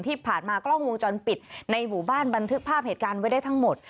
ที่ผ่านมากล้องวงจรปิดในหมู่บ้านบันทึกภาพเหตุการณ์ไว้ได้ทั้งหมด